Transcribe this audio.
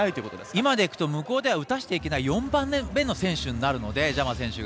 今でいくと向こうでは打たせちゃいけない４番目の選手になるのでジャマ選手。